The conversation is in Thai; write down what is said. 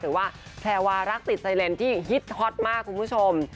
หรือว่าแพรวารักติดไซเลนที่ฮิตฮอตมากคุณผู้ชม